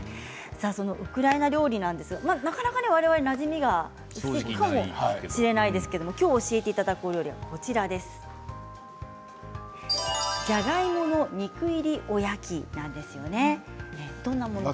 ウクライナ料理はなかなかなじみがないかもしれませんけれどきょう教えていただく料理はじゃがいもの肉入りおやきなんです。